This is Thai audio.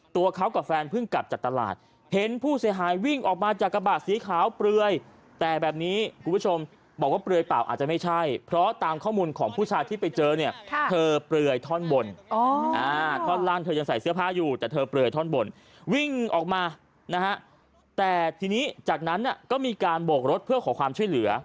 แต่ทีนี้จากนั้นก็มีการโบกรถเพื่อขอความช่วยเหลือ